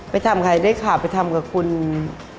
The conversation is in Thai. ไปทำกับใครอะทั้งผมว่ากายไปรายการก็ทำอะ